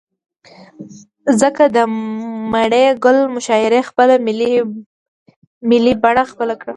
ځكه د مڼې گل مشاعرې خپله ملي بڼه خپله كړه.